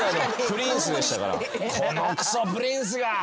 「このくそプリンスが！